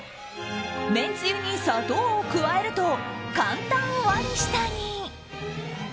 めんつゆに砂糖を加えると簡単割り下に！